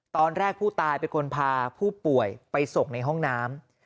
ตอนแรกผู้ตายเป็นคนพาผู้ป่วยไปส่งในห้องน้ำ